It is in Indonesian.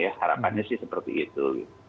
harapannya sih seperti itu